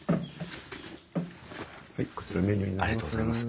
はいこちらメニューになります。